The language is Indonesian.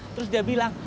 terus dia bilang